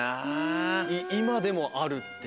いまでもあるっていう。